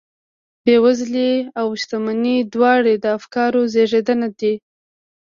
بېوزلي او شتمني دواړې د افکارو زېږنده دي